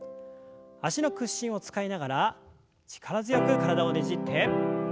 脚の屈伸を使いながら力強く体をねじって。